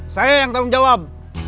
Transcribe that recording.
saya yang tanggung jawab